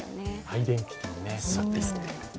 アイデンティティーですね。